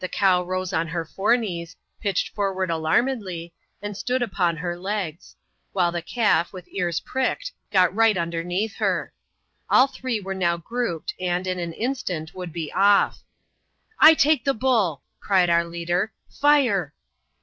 The cow rose on her fore knees, pitched forward alarmedly, and stood upon her legs; while the calf, with ears pricked, got right underneath her. All three were now grouped, and, in an instant, would be off. "I take the buU," cried our leader •,*^ &ce\'' 222 ADVENTURES IN THE SOUTH SEA& [chap.